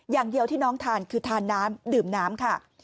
อย่างเดียวที่น้องทานคือทานน้ำดื่มน้ำค่ะ